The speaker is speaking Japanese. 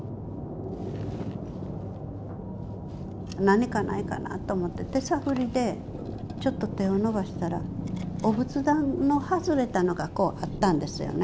何かないかなと思って手探りでちょっと手を伸ばしたらお仏壇の外れたのがあったんですよね。